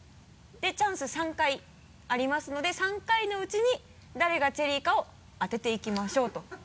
チャンス３回ありますので３回のうちに誰がチェリーかを当てていきましょうと。